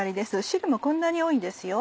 汁もこんなに多いんですよ。